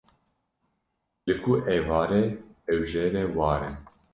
Li ku êvar e ew jê re war e.